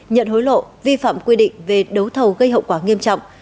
nhận hối lộ vi phạm quy định về đấu thầu gây hậu quả nghiêm trọng